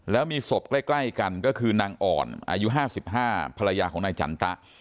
แล้วมีศพใกล้กันก็คือนางอ่อนอายุ๕๕ภรรยาของนายจันตะ